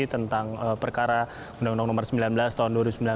tentang perkara undang undang nomor sembilan belas tahun dua ribu sembilan belas